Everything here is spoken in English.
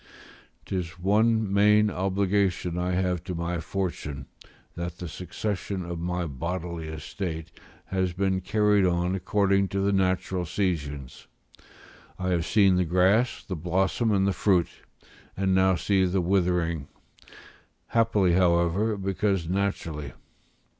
'Tis one main obligation I have to my fortune, that the succession of my bodily estate has been carried on according to the natural seasons; I have seen the grass, the blossom, and the fruit, and now see the withering; happily, however, because naturally.